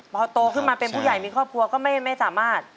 พอโตขึ้นมาเป็นผู้ใหญ่มีครอบครัวก็ไม่สามารถ